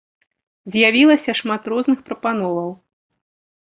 З'явілася шмат розных прапановаў.